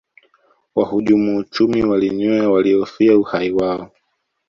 wahujumu uchumi walinywea walihofia uhai wao